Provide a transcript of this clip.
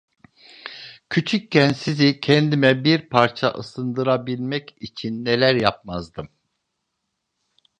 Küçükken sizi kendime bir parça ısındırabilmek için neler yapmazdım…